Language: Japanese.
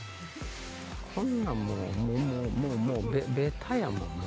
こんなんもうもうベタやもん。